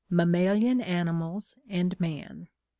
Mammalian animals and Man.